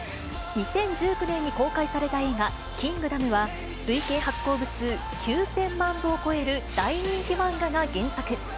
２０１９年に公開された映画、キングダムは、累計発行部数９０００万部を超える大人気漫画が原作。